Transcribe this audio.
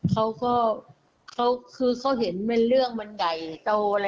เขาเห็นว่าเรื่องมันใหญ่โต